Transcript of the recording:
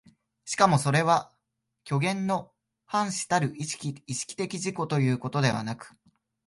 しかもそれは虚幻の伴子たる意識的自己ということではなく、